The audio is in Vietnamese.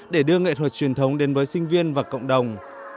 để đưa nghệ thuật truyền thống đến với sinh viên và cộng đồng